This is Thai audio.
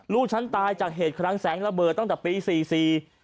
ลูกฉันตายจากเหตุครั้งแสงระเบิดตั้งแต่ปีสี่สี่